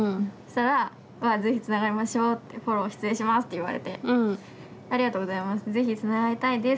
したら「是非つながりましょう」って「フォロー失礼します」って言われて「ありがとうございます。是非つながりたいです。